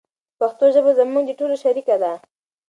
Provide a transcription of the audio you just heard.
پښتو ژبه زموږ د ټولو شریکه ده.